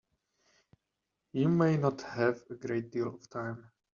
You may not have a great deal of time.